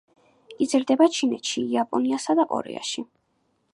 იზრდება ჩინეთში, იაპონიასა და კორეაში.